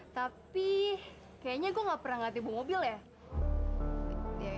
tapi kayaknya gue enggak pernah ngati bu mobil ya